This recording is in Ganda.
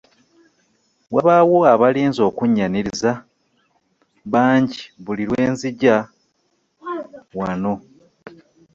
Wabaawo abalinze okunnyaniriza bangi buli lwe nzija wano.